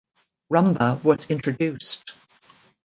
Rumba was introduced.